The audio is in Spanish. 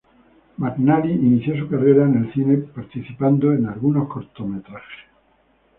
McNally inició su carrera en el cine participando en algunos cortometrajes.